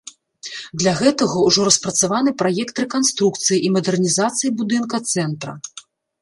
Для гэтага ўжо распрацаваны праект рэканструкцыі і мадэрнізацыі будынка цэнтра.